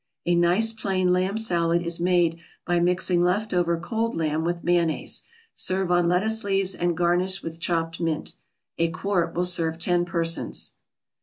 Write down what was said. A nice plain lamb salad is made by mixing left over cold lamb with mayonnaise; serve on lettuce leaves and garnish with chopped mint. A quart will serve ten persons.